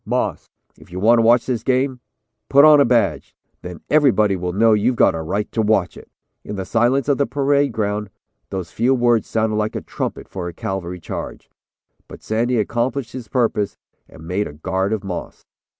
Moss, if you want to watch this game, put on a badge, then everybody will know you've got a right to watch it." In the silence of the parade ground those few words sounded like a trumpet for a cavalry charge, but Sandy accomplished his purpose and made a guard of Moss.